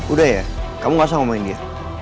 udah ya kamu gak usah ngomongin dia